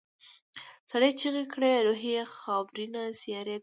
سړي چيغه کړه روح یې خاورینې سیارې ته.